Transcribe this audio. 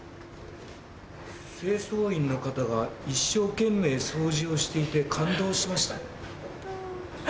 「清掃員の方が一生懸命掃除をしていて感動しました」。